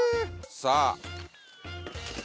さあ。